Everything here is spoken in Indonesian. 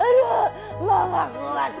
aduh mau aku buat